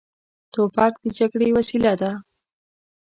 توپک د جګړې وسیله ده.